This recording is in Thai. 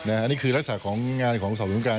อันนี้คือลักษณะของงานของสอบสวนการ